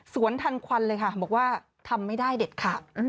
ทันควันเลยค่ะบอกว่าทำไม่ได้เด็ดขาด